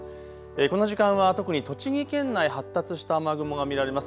この時間は特に栃木県内、発達した雨雲が見られます。